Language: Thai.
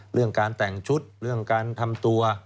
เรื่องการแต่งชุดเรื่องการทำตัว